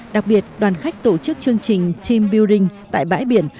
đặc biệt đoàn khách tổ chức chương trình team building tại bãi biển